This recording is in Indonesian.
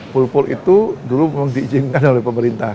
pool pool itu dulu memang diizinkan oleh pemerintah